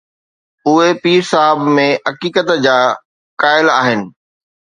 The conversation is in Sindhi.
اهي پير صاحب ۾ عقيدت جا قائل آهن.